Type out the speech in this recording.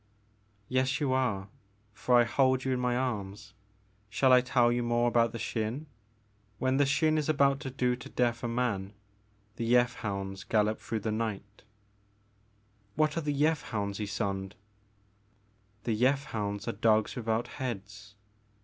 "Yes you are, for I hold you in my arms. Shall I tell you more about the Xin ? When the Xin is about to do to death a man, the Yeth hounds gallop through the night "" What are the Yeth hounds, Ysonde ?" "The Yeth hounds are dogs without heads.